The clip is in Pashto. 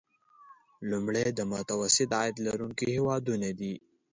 لومړی د متوسط عاید لرونکي هیوادونه دي.